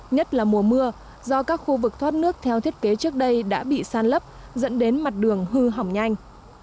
nhất là mùa mưa do các khu vực thoát nước theo thiết kế trước đây đã bị san lấp dẫn đến mặt đường hư hỏng nhanh